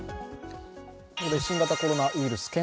ここで新型コロナウイルス